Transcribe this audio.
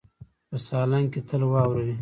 په سالنګ کې تل واوره وي.